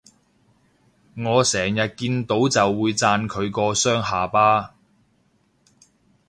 我成日見到就會讚佢個雙下巴